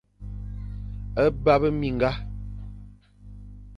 A bap minga.